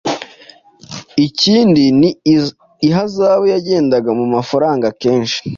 Ikindi ni ihazabu yagendaga mu mafaranga akenshi.